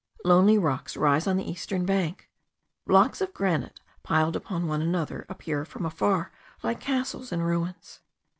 Lonely rocks rise on the eastern bank. Blocks of granite, piled upon one another, appear from afar like castles in ruins.